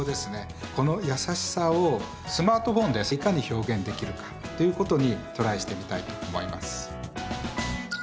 このやさしさをスマートフォンでいかに表現できるかということにトライしてみたいと思います。